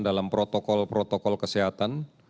dalam protokol protokol kesehatan